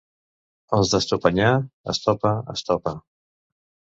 Els d'Estopanyà, estopa, estopa.